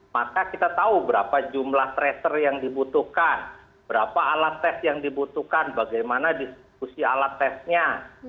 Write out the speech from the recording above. maka kita tahu berapa jumlah tracer yang dibutuhkan berapa alat tes yang dibutuhkan bagaimana diskusi alat tesnya